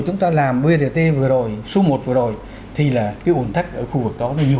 chúng ta làm brt vừa rồi số một vừa rồi thì là cái ổn tắc ở khu vực đó nó nhiều